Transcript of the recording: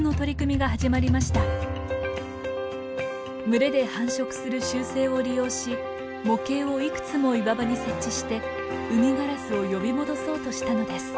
群れで繁殖する習性を利用し模型をいくつも岩場に設置してウミガラスを呼び戻そうとしたのです。